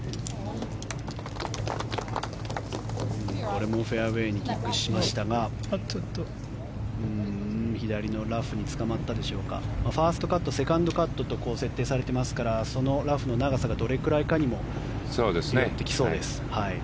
これもフェアウェーにキックしましたが左のラフにつかまったでしょうかファーストカットセカンドカットと設定されていますからそのラフの長さがどれくらいかにもよってきそうです。